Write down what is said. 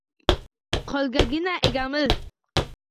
Qo’lgagina egamiz?